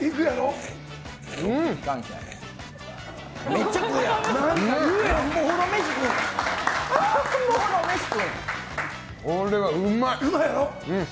めっちゃ食うやん。